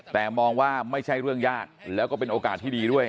แต่มองว่าไม่ใช่เรื่องยากแล้วก็เป็นโอกาสที่ดีด้วย